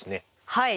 はい。